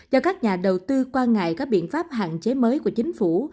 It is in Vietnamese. do các nhà đầu tư quan ngại các biện pháp hạn chế mới của chính phủ